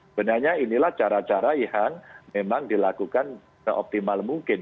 sebenarnya inilah cara cara yang memang dilakukan seoptimal mungkin